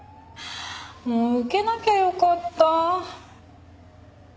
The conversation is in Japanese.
もう受けなきゃよかった。